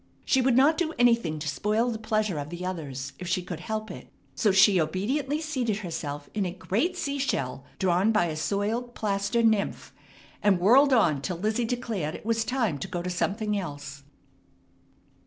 She would not do anything to spoil the pleasure of the others if she could help it; so she obediently seated herself in a great sea shell drawn by a soiled plaster nymph, and whirled on till Lizzie declared it was time to go to something else.